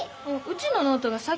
うちのノートが先。